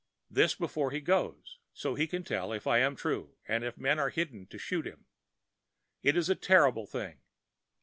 This before he goes, so he can tell if I am true and if men are hidden to shoot him. It is a terrible thing.